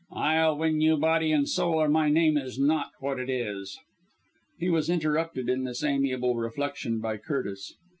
I'll win you body and soul, or my name is not what it is." He was interrupted in this amiable reflection by Curtis.